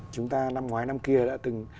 chúng ta năm ngoái năm kia đã từng